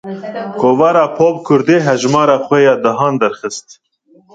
Kovara Popkurdê hejmara xwe ya dehan derxist.